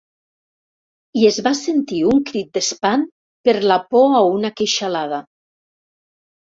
I es va sentir un crit d'espant per la por a una queixalada.